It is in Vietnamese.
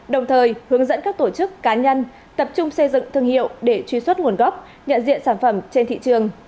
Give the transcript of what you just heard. đồng thời hướng dẫn các tổ chức cá nhân tập trung xây dựng thương hiệu để truy xuất nguồn gốc nhận diện sản phẩm trên thị trường